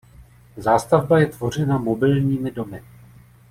Zástavba je tvořena mobilními domy.